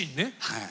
はい。